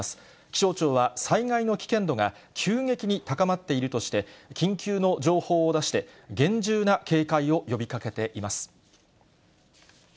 気象庁は災害の危険度が急激に高まっているとして、緊急の情報を出して、厳重な警戒を呼びかけています。